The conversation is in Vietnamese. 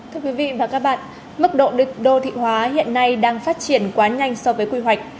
thưa quý vị và các bạn mức độ đô thị hóa hiện nay đang phát triển quá nhanh so với quy hoạch